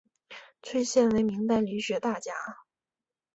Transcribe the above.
崔铣为明代理学大家。